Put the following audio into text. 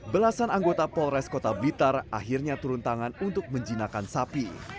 belasan anggota polres kota blitar akhirnya turun tangan untuk menjinakan sapi